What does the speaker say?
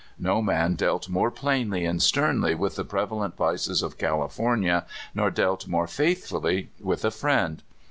No man dealt more plainly and sternly with the preva lent vices of California, nor dealt more faithfully with a friend.